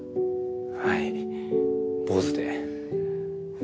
はい坊主で。